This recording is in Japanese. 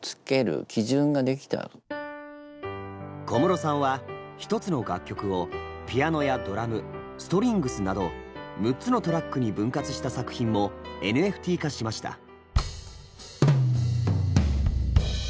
小室さんは１つの楽曲をピアノやドラムストリングスなど６つのトラックに分割した作品もＮＦＴ化しました。